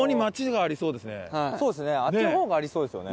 あっちの方がありそうですよね。